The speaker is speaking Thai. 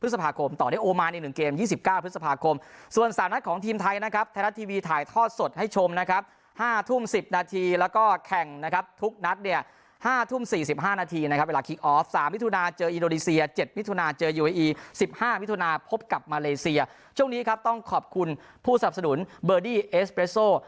สัปดาห์คมส่วนสามนัดของทีมไทยนะครับไทยนัดทีวีถ่ายทอดสดให้ชมนะครับห้าทุ่มสิบนาทีแล้วก็แข่งนะครับทุกนัดเนี้ยห้าทุ่มสี่สิบห้านาทีนะครับเวลาคลิกออฟสามวิทุณาเจออินโดรีเซียเจ็ดวิทุณาเจอยูวีอีสิบห้ามิทุณาพบกับมาเลเซียช่วงนี้ครับต้องขอบคุณผู้สรรพสนุนเบอร